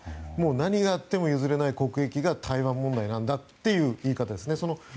何があっても譲れない国益が台湾問題なんだという言い方ですね。